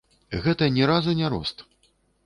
Гэта ні разу не рост.